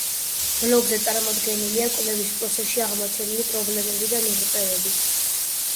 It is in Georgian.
ბლოგზე წარმოდგენილია კვლევის პროცესში აღმოჩენილი პრობლემები და მიღწევები.